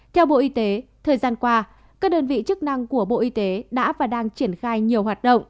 theo bộ y tế thời gian qua các đơn vị chức năng của bộ y tế đã và đang triển khai nhiều hoạt động